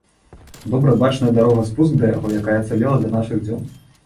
Добра бачная дарога-спуск да яго, якая ацалела да нашых дзён.